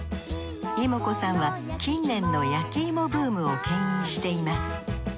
いも子さんは近年の焼きいもブームをけん引しています。